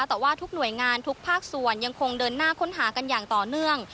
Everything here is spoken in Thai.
แต่ว่าทุกหน่วยงานทุกภาคส่วนยังคงเดินหน้าค้นหากันอย่างต่อเนื่อง